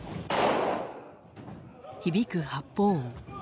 響く発砲音。